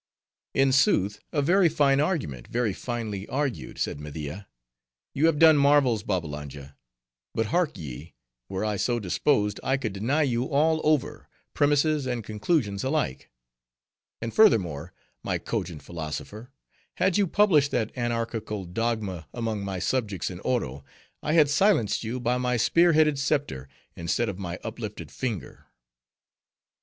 "In sooth, a very fine argument very finely argued," said Media. "You have done marvels, Babbalanja. But hark ye, were I so disposed, I could deny you all over, premises and conclusions alike. And furthermore, my cogent philosopher, had you published that anarchical dogma among my subjects in Oro, I had silenced you by my spear headed scepter, instead of my uplifted finger."